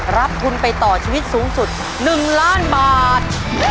รับทุนไปต่อชีวิตสูงสุด๑ล้านบาท